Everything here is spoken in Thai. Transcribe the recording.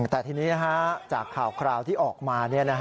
แต่ทีนี้จากข่าวคราวที่ออกมา